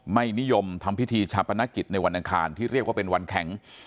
ไม่นิยมทำพิธีชาปนกิจในวันอังคารที่เรียกว่าเป็นวันแข็ง